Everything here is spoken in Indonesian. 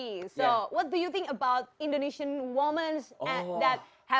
jadi apa pendapat anda tentang wanita indonesia yang memiliki banyak keindahan